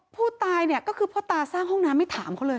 ผู้ตายเนี่ยก็คือพ่อตาสร้างห้องน้ำไม่ถามเขาเลย